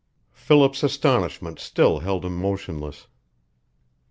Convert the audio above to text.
Philip's astonishment still held him motionless.